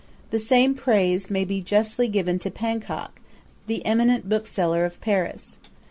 The same praise may be justly given to Panckoucke, the eminent bookseller of Paris.